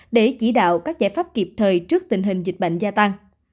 để chỉ đạo các giải pháp kịp thời trước tình hình dịch bệnh gia tăng